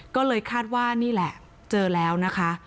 ก็เลยคาดว่านี่แหละเจอแล้วนะคะ